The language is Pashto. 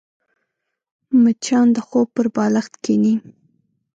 مچان د خوب پر بالښت کښېني